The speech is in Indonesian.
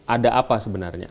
ada apa sebenarnya